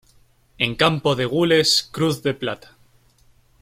En campo de gules, cruz de plata.